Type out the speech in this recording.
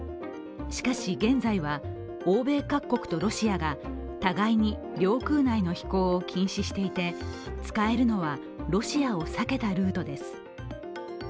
しかし、現在は欧米各国とロシアが互いに領空内の飛行を禁止していて使えるのは、ロシアを避けたルートです。